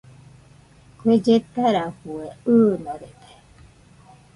Kue lletarafue ɨɨnorede